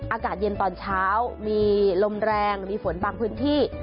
อากาศเย็นตอนเช้ามีลมแรงมีฝนบางพื้นที่